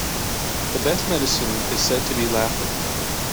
The best medicine is said to be laughter.